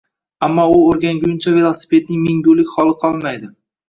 ammo u o'rgangunicha velosipedning mingulik holi qolmaydi.